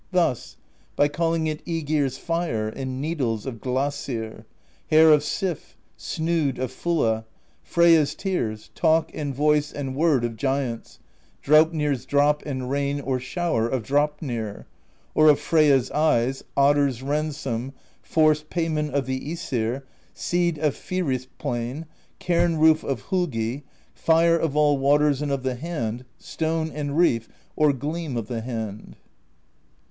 Thus : by call ing it ^gir's Fire, and Needles of Glasir, Hair of Sif, Snood of Fulla, Freyja's Tears, Talk and Voice and Word of Giants, Draupnir's Drop and Rain or Shower of Draup nir, or of Freyja's Eyes, Otter's Ransom, Forced Payment of the ^sir. Seed of Fyris Plain, Cairn Roof of Holgi, Fire of all Waters and of the Hand, Stone and Reef or Gleam of the Hand.